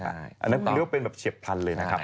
อันนั้นเรียกว่าเป็นแบบเฉียบพลันเลยนะครับ